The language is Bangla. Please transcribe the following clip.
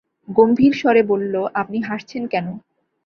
গম্ভীর স্বরে বলল, আপনি হাসছেন কেন?